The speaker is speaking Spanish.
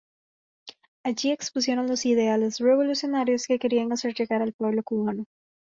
Allí expusieron los ideales revolucionarios que querían hacer llegar al pueblo cubano.